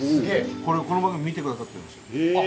この番組見て下さっているんですよ。